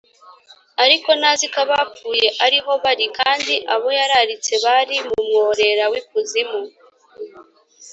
ariko ntazi ko abapfuye ari ho bari, kandi abo yararitse bari mu mworero w’ikuzimu